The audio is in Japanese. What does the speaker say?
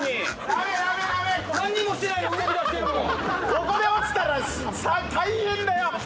ここで落ちたら大変だよ。